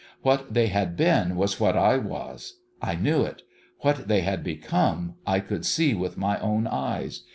What they had been was what I was. I knew it. What they had become I could see with my own eyes.